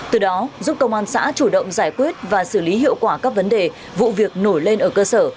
từ đó giúp công an xã chủ động giải quyết và xử lý hiệu quả các vấn đề vụ việc nổi lên ở cơ sở